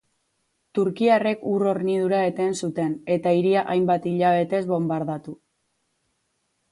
Turkiarrek ur hornidura eten zuten eta hiria hainbat hilabetez bonbardatu.